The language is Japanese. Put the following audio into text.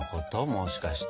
もしかして。